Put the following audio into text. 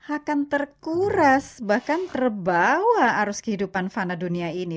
akan terkuras bahkan terbawa arus kehidupan fana dunia ini